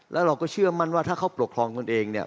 แล้วเราก็เชื่อมั่นว่าถ้าเขาปกครองตนเองเนี่ย